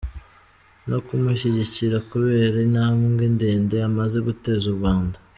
no kumushyigikira kubera intambwe ndende amaze guteza u Rwanda.